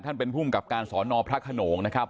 เป็นภูมิกับการสอนอพระขนงนะครับ